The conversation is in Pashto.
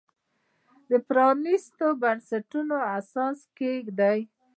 د پرانیستو بنسټونو اساس کېښود.